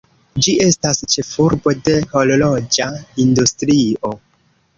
Ĝi estas ĉefurbo de horloĝa industrio.